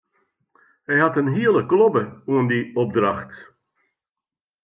Hy hat in hiele klobbe oan dy opdracht.